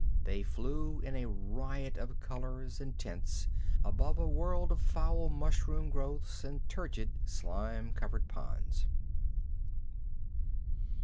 They flew in a riot of colors and tints above a world of foul mushroom growths, and turgid, slime covered ponds.